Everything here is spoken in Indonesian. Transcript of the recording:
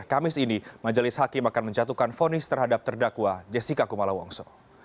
kamis ini majelis hakim akan menjatuhkan fonis terhadap terdakwa jessica kumala wongso